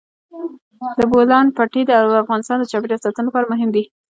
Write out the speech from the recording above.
د بولان پټي د افغانستان د چاپیریال ساتنې لپاره مهم دي.